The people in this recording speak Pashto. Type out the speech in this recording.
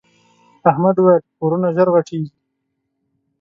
احمد وويل: کورونه ژر غټېږي.